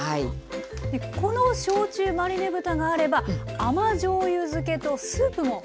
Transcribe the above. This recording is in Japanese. でこの焼酎マリネ豚があれば甘じょうゆ漬けとスープもできるんですね。